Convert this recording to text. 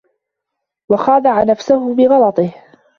وَخَادَعَ نَفْسَهُ بِغَلَطِهِ